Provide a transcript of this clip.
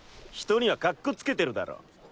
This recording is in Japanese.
人にはカッコつけてるだろ？